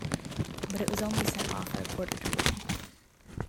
But it was only sent off at a quarter to one.